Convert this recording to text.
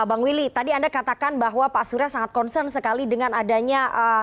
bang willy tadi anda katakan bahwa pak surya sangat concern sekali dengan adanya